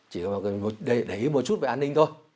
chỉ là để ý một chút về an ninh thôi